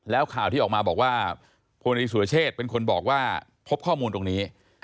แล้วข่าวที่ออกมาบอกว่าพลีสุรเชษเป็นคนบอกว่าพบข้อมูลตรงนี้